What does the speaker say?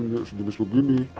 ya sejenis begini